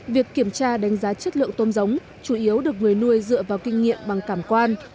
việc kiểm tra đánh giá chất lượng tôm giống chủ yếu được người nuôi dựa vào kinh nghiệm bằng cảm quan